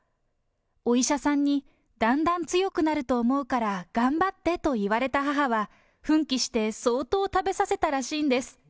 お医者さんにだんだん強くなると思うから、頑張ってと言われた母は、奮起して相当食べさせたらしいんです。